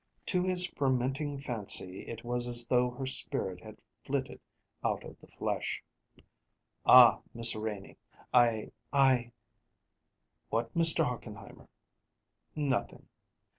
To his fermenting fancy it was as though her spirit had flitted out of the flesh. "Ah, Miss Renie, I I " "What, Mr. Hochenheimer?" "Nothing.